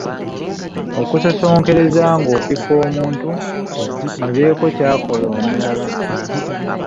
Okusosonkereza nga opikiriza omuntu abeeko ky’akola omulala.